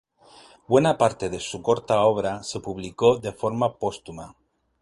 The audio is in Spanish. Buena parte de su corta obra se publicó de forma póstuma.